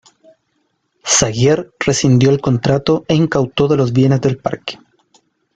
Saguier rescindió el contrato e incautó de los bienes del parque.